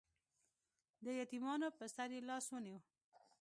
د یتیمانو په سر یې لاس ونیو.